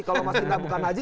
kalau mas indah bukan haji